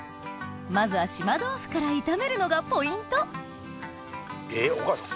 まずは島豆腐から炒めるのがポイントえっお母さん